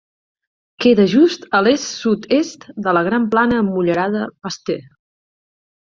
Queda just a l'est-sud-est de la gran plana emmurallada Pasteur.